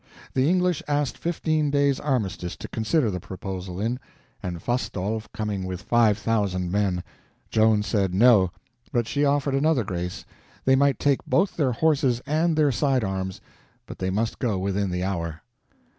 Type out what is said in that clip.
The English asked fifteen days' armistice to consider the proposal in. And Fastolfe coming with five thousand men! Joan said no. But she offered another grace: they might take both their horses and their side arms—but they must go within the hour.